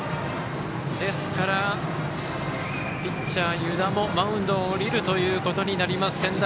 ですからピッチャー、湯田もマウンドを降りるということになります、仙台